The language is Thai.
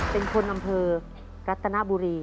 เป็นคนอำเภอรัตนบุรี